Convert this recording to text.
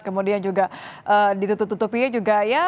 kemudian juga ditutup tutupinya juga ya